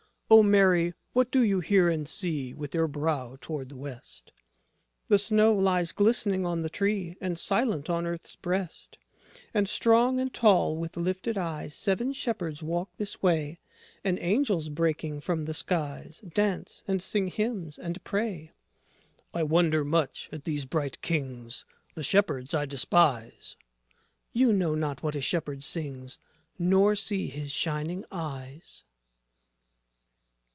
O Mary, what do you hear and see With your brow toward the West? MARY The snow lies glistening on the tree And silent on Earth's breast; And strong and tall, with lifted eyes Seven shepherds walk this way, And angels breaking from the skies Dance, and sing hymns, and pray. JOSEPH I wonder much at these bright Kings; The shepherds I despise. MARY You know not what a shepherd sings, Nor see his shining eyes.